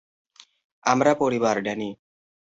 আমরা পরিবার, ড্যানি।